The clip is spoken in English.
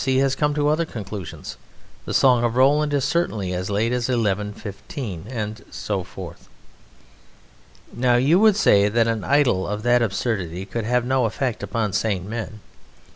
C. has come to other conclusions the Song of Roland is certainly as late as 1115 ... and so forth. Now you would say that an idol of that absurdity could have no effect upon sane men.